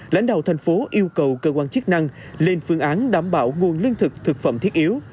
lãnh đạo thành phố yêu cầu cơ quan chức năng lên phương án đảm bảo nguồn lương thực thực phẩm thiết yếu